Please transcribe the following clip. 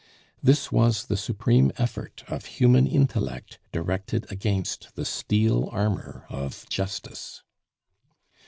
This was the supreme effort of human intellect directed against the steel armor of Justice.